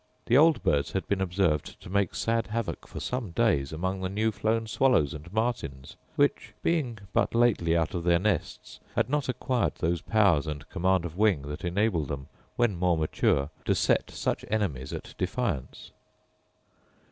The old birds had been observed to make sad havoc for some days among the new flown swallows and martins, which, being but lately out of their nests, had not acquired those powers and command of wing that enable them, when more mature, to set such enemies at defiance.